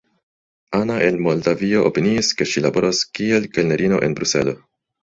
Ana el Moldavio opiniis, ke ŝi laboros kiel kelnerino en Bruselo.